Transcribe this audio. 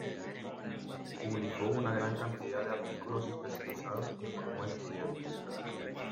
Publicó una gran cantidad de artículos especializados y formó estudiantes.